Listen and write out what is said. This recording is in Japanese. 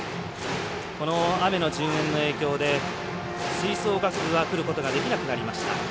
雨の順延の影響で吹奏楽部は来ることができなくなりました。